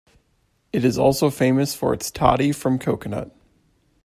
It is also famous for its toddy from Coconut.